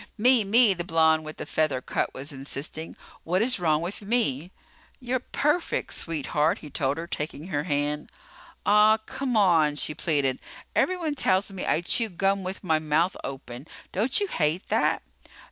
"Me, me," the blonde with a feather cut was insisting. "What is wrong with me?" "You're perfect, sweetheart," he told her, taking her hand. "Ah, come on," she pleaded. "Everyone tells me I chew gum with my mouth open. Don't you hate that?"